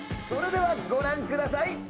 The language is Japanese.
それではご覧ください